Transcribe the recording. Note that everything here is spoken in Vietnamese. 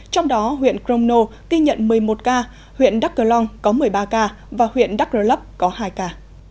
trong đó huyện crono ghi nhận một mươi một ca huyện đắk cờ long có một mươi ba ca và huyện đắk rơ lấp có hai ca